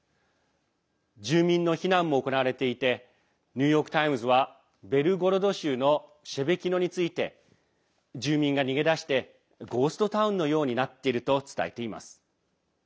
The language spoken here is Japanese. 住民の避難も行われていてニューヨーク・タイムズはベルゴロド州のシェベキノについて住民が逃げ出してゴーストタウンのようになっていると伝えています。